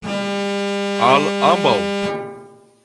Al ambaŭ.